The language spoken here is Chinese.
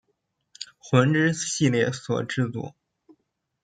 魂之系列所制作。